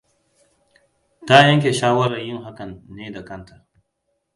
Ta yanke shawarar yin hakan ne da kanta.